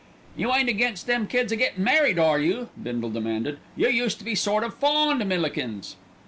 "You ain't against them kids a gettin' married, are you?" Bindle demanded. "You used to be sort of fond of Millikins."